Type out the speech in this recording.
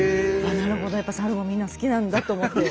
なるほどやっぱサルもみんな好きなんだと思って。